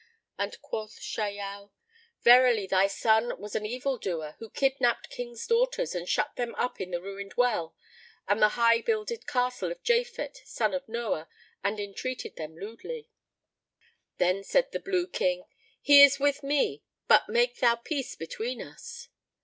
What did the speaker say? and quoth Shahyal, "Verily, thy son was an evildoer who kidnapped Kings' daughters and shut them up in the Ruined Well and the High builded Castle of Japhet son of Noah and entreated them lewdly." Then said the Blue King, "He is with me; but make thou peace between us."